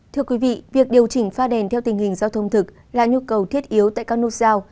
thưa quý vị việc điều chỉnh pha đèn theo tình hình giao thông thực là nhu cầu thiết yếu tại các nút giao